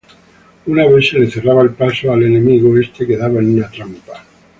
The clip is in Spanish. Una vez se le cerraba el paso al enemigo, este quedaba en una trampa.